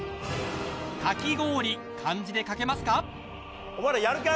かき氷、漢字で書けますか？